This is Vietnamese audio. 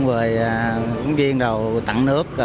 công viên tặng nước